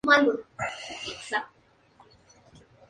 Esto es debido a la transpiración.